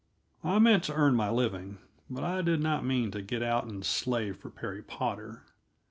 I meant to earn my living, but I did not mean to get out and slave for Perry Potter.